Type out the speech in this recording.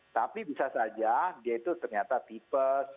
tapi bisa saja dia itu ternyata tipe